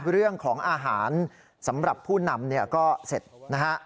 เรื่องของอาหารสำหรับผู้นำเนี่ยก็เสร็จนะฮะ